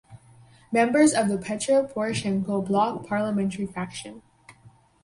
Member of the Petro Poroshenko Bloc parliamentary faction.